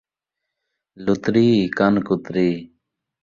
لُتری ، کن کُتری